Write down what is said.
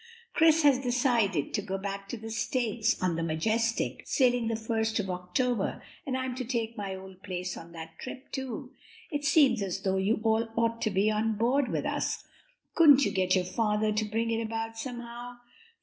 Chris has decided to go back to the States on the Majestic, sailing the first of October, and I'm to take my old place on that trip, too. It seems as though you all ought to be on board with us. Couldn't you get your father to bring it about somehow?